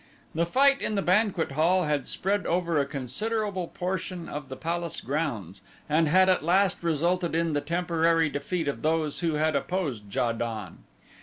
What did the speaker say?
The fight in the banquet hall had spread over a considerable portion of the palace grounds and had at last resulted in the temporary defeat of those who had opposed Ja don.